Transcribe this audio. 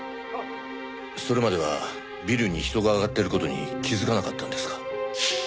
それまではビルに人が上がっている事に気づかなかったんですか？